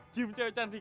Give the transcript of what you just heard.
cium cewek cantik